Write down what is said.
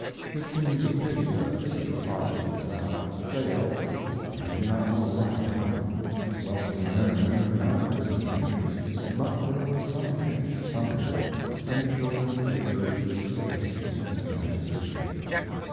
It seems a pity that such a project as that must fail, and I do not know why it happened. Wealthy men and women manifested an interest; but there was some hitch somewhere, and the Children's Theater exists to day only as history.